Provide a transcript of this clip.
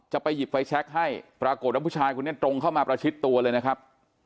ให้ปรากฏว่าผู้ชายคุณเนี่ยตรงเข้ามาประชิดตัวเลยนะครับ